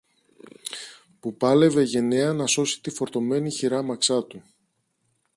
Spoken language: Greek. που πάλευε γενναία να σώσει τη φορτωμένη χειράμαξα του